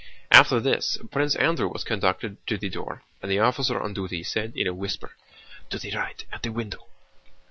After this Prince Andrew was conducted to the door and the officer on duty said in a whisper, "To the right, at the window."